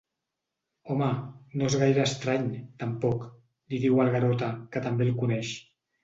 Home, no és gaire estrany, tampoc —li diu el Garota, que també el coneix—.